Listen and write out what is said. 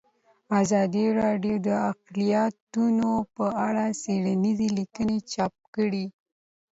ازادي راډیو د اقلیتونه په اړه څېړنیزې لیکنې چاپ کړي.